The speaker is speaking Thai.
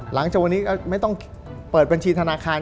หลังจากวันนี้ก็ไม่ต้องเปิดบัญชีธนาคาร